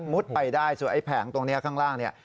ไปได้ส่วนไอ้แผงตรงนี้ข้างล่างเนี่ย